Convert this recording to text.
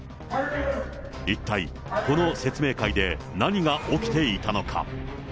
一体、この説明会で何が起きていたのか。